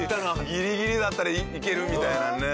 ギリギリだったら行けるみたいなね。